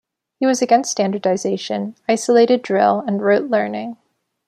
He was against standardization, isolated drill and rote learning.